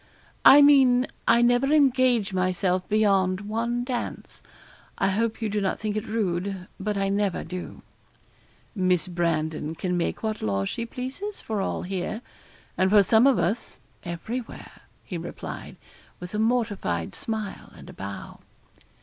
'I mean, I never engage myself beyond one dance. I hope you do not think it rude but I never do.' 'Miss Brandon can make what laws she pleases for all here, and for some of us everywhere,' he replied, with a mortified smile and a bow.